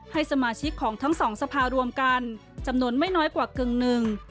ให้สมาชิกของทั้งสองสภารวมกันจำนวนไม่น้อยกว่ากึ่งหนึ่ง